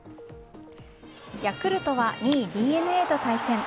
ヤクルトは２位・ＤｅＮＡと対戦。